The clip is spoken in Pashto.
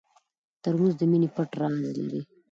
ترموز د مینې پټ راز لري.